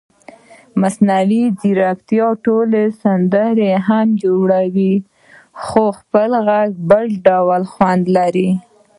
مصنوعي ځیرکتیا ټوله سندره هم جوړوي خو خپل غږ بل ډول خوند لري.